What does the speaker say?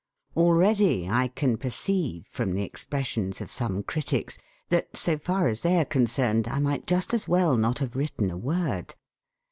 Already I can perceive, from the expressions of some critics, that, so far as they are concerned, I might just as well not have written a word.